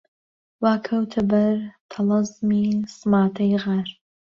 وا کەوتە بەر تەڵەزمی سماتەی غار